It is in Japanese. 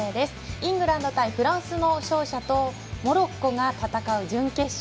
イングランド対フランスの勝者とモロッコが戦う準決勝。